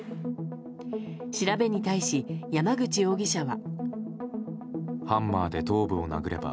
調べに対し山口容疑者は。